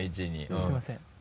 すみません。